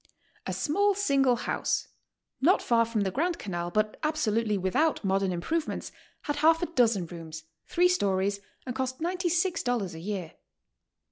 A small single house, not far from the Grand Canal, but absolutely without modern improvements, had half a dozen rooms, three stories, and cost $96 a year.